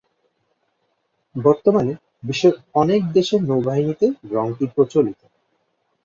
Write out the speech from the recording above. বর্তমানে বিশ্বের অনেক দেশের নৌবাহিনীতে রঙটি প্রচলিত।